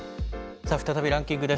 さあ、再びランキングです。